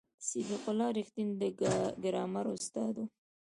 صدیق الله رښتین د ګرامر استاد و.